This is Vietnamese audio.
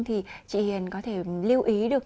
thì chị hiền có thể lưu ý được